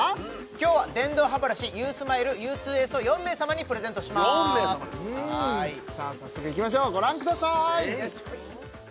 今日は電動歯ブラシｕｓｍｉｌｅＵ２Ｓを４名様にプレゼントしますさあ早速いきましょうご覧ください！